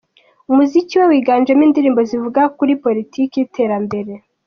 Umuziki we wiganjemo indirimbo zivuga kuri politiki y’iterambere